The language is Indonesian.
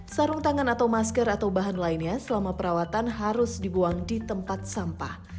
sarung tangan atau masker atau bahan lainnya selama perawatan harus dibuang di tempat sampah